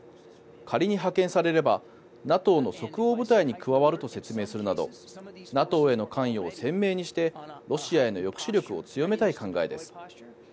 仮に派遣されればＮＡＴＯの即応部隊に加わると説明するなどＮＡＴＯへの関与を鮮明にしてロシアへの抑止力を強めたい考えです。